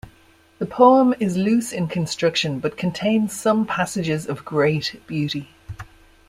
The poem is loose in construction but contains some passages of great beauty.